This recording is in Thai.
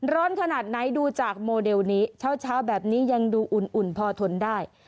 ร้อนขนาดไหนดูจากโมเดลนี้เช้าแบบนี้ยังดูอุ่นพอทนได้